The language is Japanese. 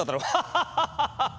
ハハハハハ！